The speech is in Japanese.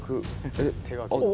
手書きの。